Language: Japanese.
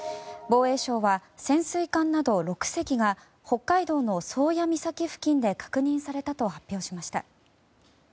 防衛省は潜水艦など６隻が北海道の宗谷岬付近で確認されたと発表しました。